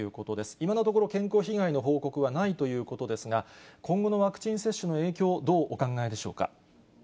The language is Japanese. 今のところ、健康被害の報告はないということですが、今後のワクチン接種の影響、どうお考えでしょうか。